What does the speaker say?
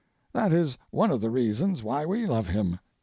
That is one of the reasons why we love him.